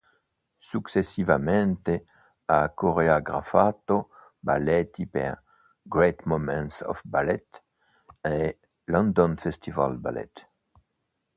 Successivamente ha coreografato balletti per Great Moments of Ballet e London Festival Ballet.